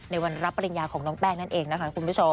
วันรับปริญญาของน้องแป้งนั่นเองนะคะคุณผู้ชม